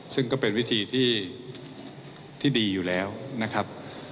ซึ่งก็เป็นวิธีที่ดีอยู่แล้วนะครับ